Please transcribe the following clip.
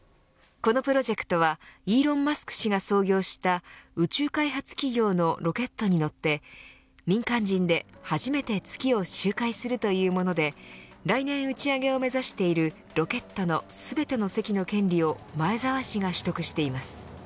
このプロジェクトはイーロン・マスク氏が創業した宇宙開発企業のロケットに乗って民間人で初めて月を周回するというもので来年、打ち上げを目指しているロケットの全ての席の権利を前澤氏が取得しています。